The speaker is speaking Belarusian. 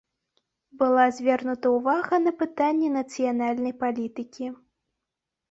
Была звернута ўвага на пытанні нацыянальнай палітыкі.